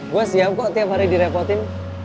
gue siap kok tiap hari direpotin